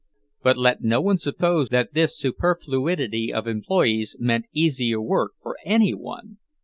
But let no one suppose that this superfluity of employees meant easier work for any one!